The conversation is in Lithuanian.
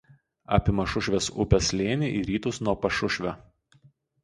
Apima Šušvės upės slėnį į rytus nuo Pašušvio.